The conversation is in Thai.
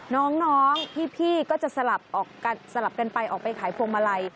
น้องพี่ก็จะสลับสลับกันไปออกไปขายพวงมาลัย